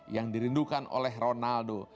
yang dirindukan oleh ronaldo